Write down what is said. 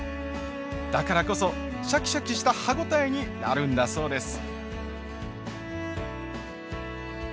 だからこそシャキシャキした歯ごたえになるんだそうです。